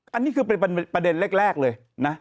อันนี้คือเป็นประเด็นแรกเลยนะ